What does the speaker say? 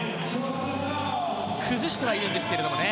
崩してはいるんですけどね。